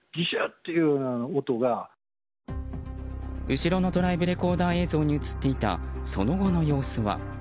後ろのドライブレコーダー映像に映っていたその後の様子は。